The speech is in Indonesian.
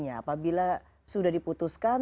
apabila sudah diputuskan